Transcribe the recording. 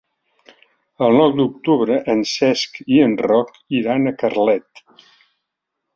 El nou d'octubre en Cesc i en Roc iran a Carlet.